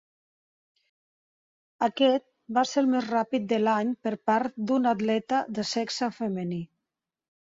Aquest va ser el més ràpid de l'any per part d'una atleta de sexe femení.